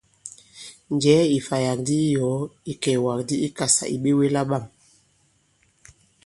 Njɛ̀ɛ ì ìfàyàk di i yɔ̀ɔ ìkɛ̀ɛ̀wàk di i Ikàsà ì ɓewe la bâm!